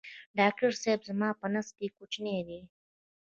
ډاکټر صېبې زما په نس کوچینی دی